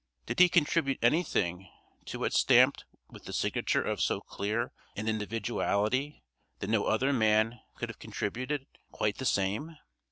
Did he contribute anything to it stamped with the signature of so clear an individuality that no other man could have contributed quite the same?